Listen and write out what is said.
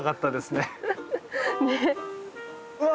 うわ！